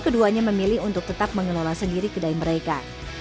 keduanya memilih untuk tetap mengelola sendiri kedai mereka